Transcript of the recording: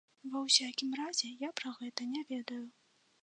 Ва ўсякім разе, я пра гэта не ведаю.